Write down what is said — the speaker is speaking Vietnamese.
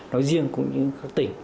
nói riêng cũng như các tỉnh